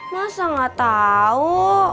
masa gak tau